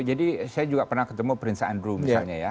jadi saya juga pernah ketemu prince andrew misalnya ya